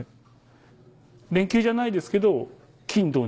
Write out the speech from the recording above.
連休じゃないですけど。